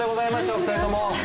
お二人とも。